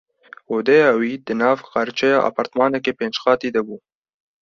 Odeya wî di nav qarçeyê apartmaneke pênc qatî de bû.